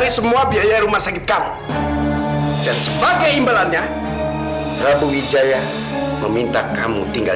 ibu pasti belum jauh dari sini